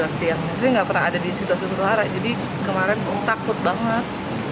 saya nggak pernah ada di situ hara jadi kemarin takut banget